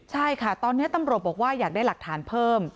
ใช่ค่ะตอนนี้ตำรวจบอกว่าอยากได้หลักฐานเพิ่ม